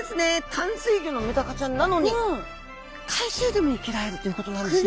淡水魚のメダカちゃんなのに海水でも生きられるということなんですね。